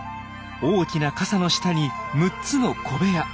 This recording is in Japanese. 大きな傘の下に６つの小部屋。